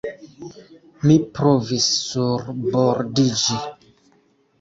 Mi provis surbordiĝi.